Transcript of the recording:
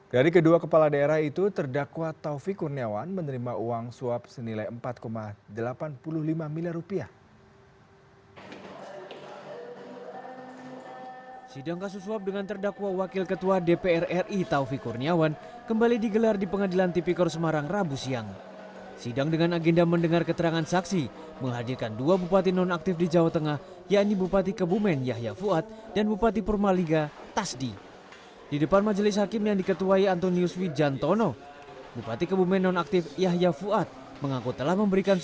dari kedua kepala daerah itu terdakwa taufik kurniawan menerima uang suap senilai empat delapan puluh lima miliar rupiah